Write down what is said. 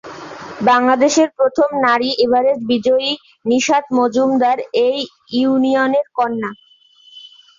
বাংলাদেশের প্রথম নারী এভারেস্ট বিজয়ী নিশাত মজুমদার এই ইউনিয়নের কন্যা।